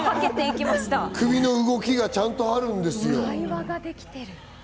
首の動きがちゃんとあるんですよ。